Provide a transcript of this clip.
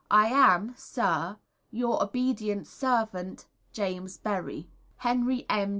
I am, Sir, Your obedient Servant, JAMES BERRY. Henry M.